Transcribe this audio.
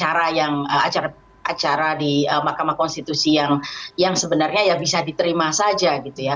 atau memang salah satu bentuk acara di mahkamah konstitusi yang sebenarnya bisa diterima saja